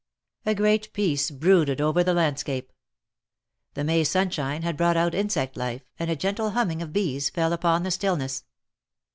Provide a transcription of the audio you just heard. A great peace brooded over the landscape. The May sunshine had brought out insect life, and a gentle humming of bees fell upon the stillness.